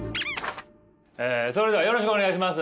それではよろしくお願いします。